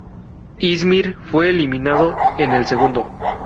İzmir fue eliminado en el segundo.